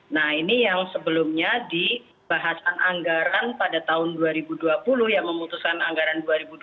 nah ini yang sebelumnya dibahasan anggaran pada tahun dua ribu dua puluh yang memutuskan anggaran dua ribu dua puluh